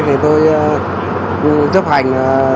thì tôi chấp hành